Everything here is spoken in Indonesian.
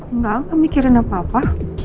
enggak aku mikirin apa apa